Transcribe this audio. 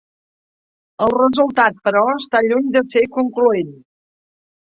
El resultat, però, està lluny de ser concloent.